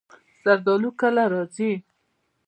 زردالو کله راځي؟